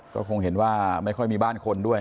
ก็คงเห็นว่าไม่ค่อยมีบ้านคนด้วย